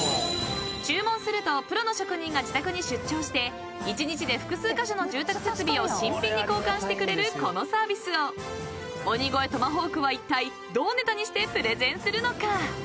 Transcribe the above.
［注文するとプロの職人が自宅に出張して一日で複数箇所の住宅設備を新品に交換してくれるこのサービスを鬼越トマホークはいったいどうネタにしてプレゼンするのか］